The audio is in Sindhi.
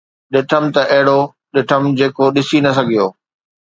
ڏٺم ته اهڙو ڏٺم جيڪو ڏسي نه سگهيو.